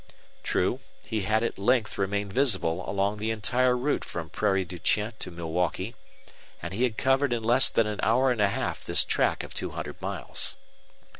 True, he had at length remained visible along the entire route from Prairie du Chien to Milwaukee, and he had covered in less than an hour and a half this track of two hundred miles.